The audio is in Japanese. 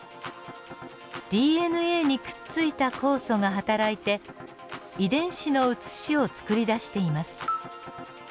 ＤＮＡにくっついた酵素が働いて遺伝子の写しを作り出しています。